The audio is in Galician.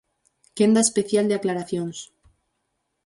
Quenda especial de aclaracións.